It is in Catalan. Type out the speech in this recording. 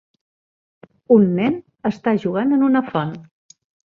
Un nen està jugant a una font.